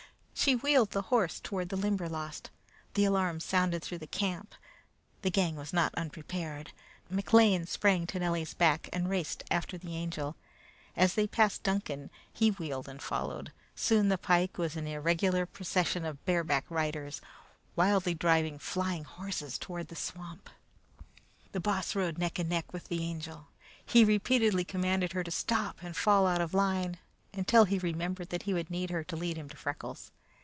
She wheeled the horse toward the Limberlost. The alarm sounded through camp. The gang were not unprepared. McLean sprang to Nellie's back and raced after the Angel. As they passed Duncan, he wheeled and followed. Soon the pike was an irregular procession of barebacked riders, wildly driving flying horses toward the swamp. The Boss rode neck and neck with the Angel. He repeatedly commanded her to stop and fall out of line, until he remembered that he would need her to lead him to Freckles.